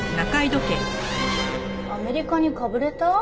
アメリカにかぶれた？